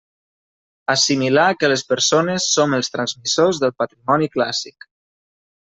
Assimilar que les persones som els transmissors del patrimoni clàssic.